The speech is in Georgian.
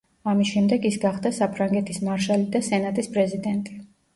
ამის შემდეგ ის გახდა საფრანგეთის მარშალი და სენატის პრეზიდენტი.